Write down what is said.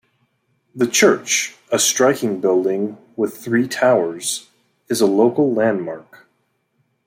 The church, a striking building with three towers, is a local landmark.